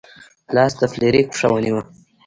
لاس د فلیریک پښه ونیوه.